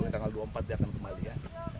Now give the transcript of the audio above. tanggal dua puluh empat dia akan kembali ya